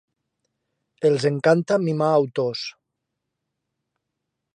Els encanta mimar autors.